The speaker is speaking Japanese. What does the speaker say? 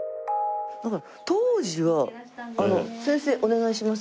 当時は先生お願いします